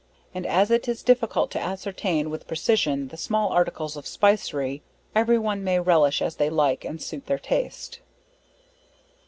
And as it is difficult to ascertain with precision the small articles of spicery; every one may relish as they like, and suit their taste.